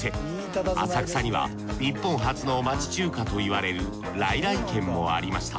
浅草には日本初の町中華といわれる來々軒もありました。